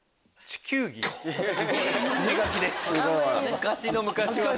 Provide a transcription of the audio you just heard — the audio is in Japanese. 昔の昔はね。